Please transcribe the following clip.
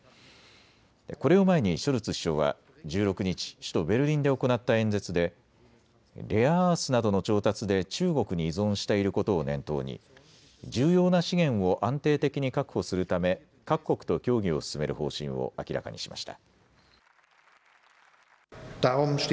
これを前にショルツ首相は１６日、首都ベルリンで行った演説でレアアースなどの調達で中国に依存していることを念頭に重要な資源を安定的に確保するため各国と協議を進める方針を明らかにしました。